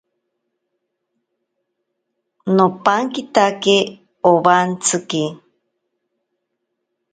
Nopankitatye owantsiki.